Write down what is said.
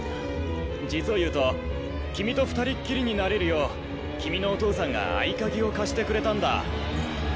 実を言うと君と２人っきりになれるよう君のお父さんが合鍵をかしてくれたんだ。